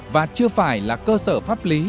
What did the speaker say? và chưa phải là cơ sở pháp lý